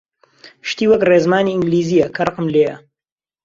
شتی وەک ڕێزمانی ئینگلیزییە کە ڕقم لێیە!